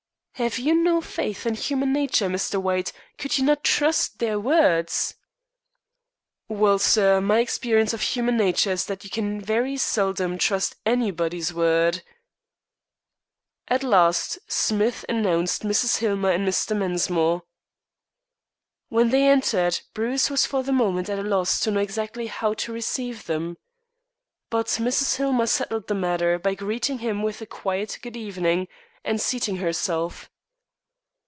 "Have you no faith in human nature, Mr. White? Could you not trust their words?" "Well, sir, my experience of human nature is that you can very seldom trust anybody's word." At last Smith announced Mrs. Hillmer and Mr. Mensmore. When they entered Bruce was for the moment at a loss to know exactly how to receive them. But Mrs. Hillmer settled the matter by greeting him with a quiet "Good evening," and seating herself.